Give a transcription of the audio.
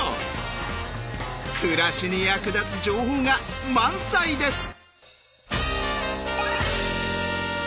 暮らしに役立つ情報が満載です！